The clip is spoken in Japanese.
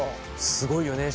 すごいよね